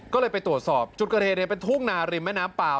ก็เลยไปตรวจสอบจุดเกิดเหตุเป็นทุ่งนาริมแม่น้ำเปล่า